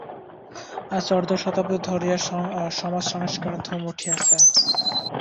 আজ অর্ধ শতাব্দী ধরিয়া সমাজসংস্কারের ধুম উঠিয়াছে।